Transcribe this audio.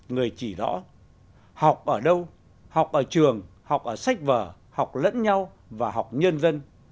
người chỉ rõ học ở đâu học ở trường học ở sách vở học lẫn nhau và học nhân dân